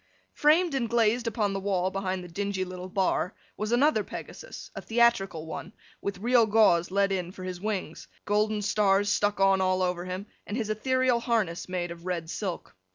Framed and glazed upon the wall behind the dingy little bar, was another Pegasus—a theatrical one—with real gauze let in for his wings, golden stars stuck on all over him, and his ethereal harness made of red silk.